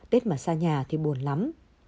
tết mà xa nhà thì buồn lắm